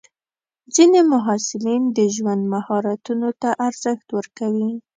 ځینې محصلین د ژوند مهارتونو ته ارزښت ورکوي.